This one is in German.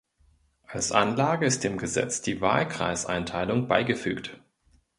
Als Anlage ist dem Gesetz die Wahlkreiseinteilung beigefügt.